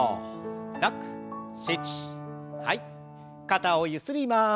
肩をゆすります。